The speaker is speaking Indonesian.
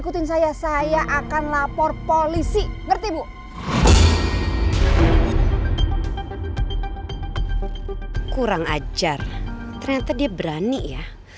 tidak ada hari adanya